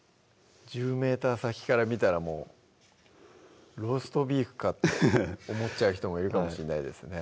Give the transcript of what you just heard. １０ｍ先から見たらもうローストビーフかって思っちゃう人もいるかもしんないですね